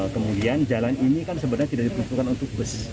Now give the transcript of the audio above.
kemudian jalan ini kan sebenarnya tidak diperuntukkan untuk bus